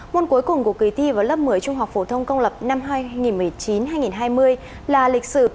môn cuối cùng của kỳ thi vào lớp một mươi trung học phổ thông công lập năm hai nghìn một mươi chín hai nghìn hai mươi là lịch sử